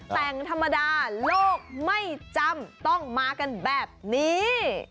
แต่งธรรมดาโลกไม่จำต้องมากันแบบนี้